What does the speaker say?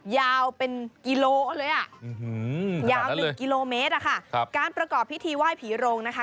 ยาวเป็นกิโลเลยอ่ะยาว๑กิโลเมตรอะค่ะครับการประกอบพิธีไหว้ผีโรงนะคะ